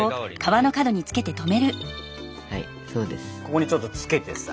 ここにちょっとつけてさ。